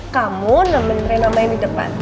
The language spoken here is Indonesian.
kamu nemenin reina main di depan ya